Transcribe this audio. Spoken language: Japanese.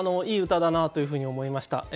いい歌だなというふうに思いました。